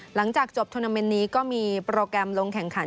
หลังจากจบทวนาเมนต์นี้ก็มีโปรแกรมลงแข่งขัน